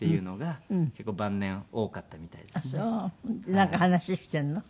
なんか話しているの？